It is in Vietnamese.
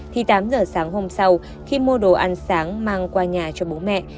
thì tám giờ sáng hôm sau khi mua đồ ăn sáng mang qua nhà cho bố mẹ